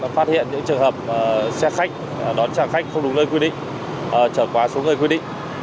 phát hiện những trường hợp xe khách đón trả khách không đúng nơi quy định trở quá số người quy định